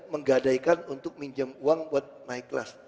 menggadaikan untuk minjem uang buat naik kelas